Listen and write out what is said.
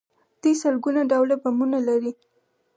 دوی سلګونه ډوله بمونه لري.